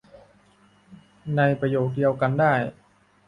ในประโยคเดียวกันได้